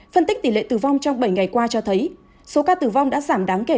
phân tích tỷ lệ tử vong trong bảy ngày qua cho thấy số ca tử vong đã giảm đáng kể